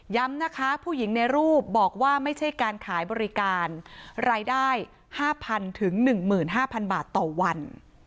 นะคะผู้หญิงในรูปบอกว่าไม่ใช่การขายบริการรายได้๕๐๐๐ถึง๑๕๐๐บาทต่อวัน